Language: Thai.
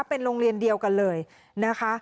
เป็นโรงเรียนเดียวกันเลยนะคะ